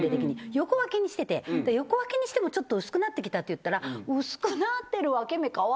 横分けにしてて「横分けにしてもちょっと薄くなって来た」って言ったら。